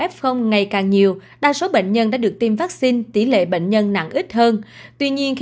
f ngày càng nhiều đa số bệnh nhân đã được tiêm vaccine tỷ lệ bệnh nhân nặng ít hơn tuy nhiên khi